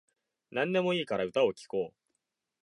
なんでもいいから歌を聴こう